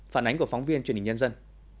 phản ánh của phóng viên truyền hình nhân dân